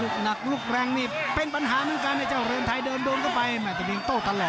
ลูกหนักลูกแรงนี่เป็นปัญหาเหมือนกันเนี่ยเจ้าเรือนไทยเดินโดนเข้าไปแม่ตะเบียงโต้ตะแหลก